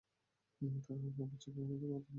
আর কাপড় চোপড় সব আমার মতো পরতো।